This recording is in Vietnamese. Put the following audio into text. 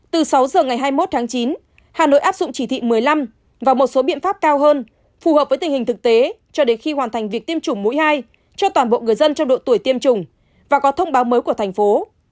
từ sáu giờ ngày hai mươi một tháng chín hà nội áp dụng chỉ thị một mươi năm và một số biện pháp cao hơn phù hợp với tình hình thực tế cho đến khi hoàn thành việc tiêm chủng mũi hai cho toàn bộ người dân trong độ tuổi tiêm chủng và có thông báo mới của thành phố